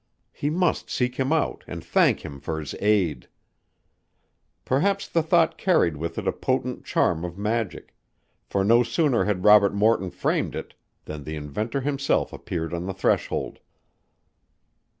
He must seek him out and thank him for his aid. Perhaps the thought carried with it a potent charm of magic, for no sooner had Robert Morton framed it than the inventor himself appeared on the threshold.